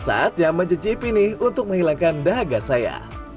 saatnya mencicipi nih untuk menghilangkan dahaga saya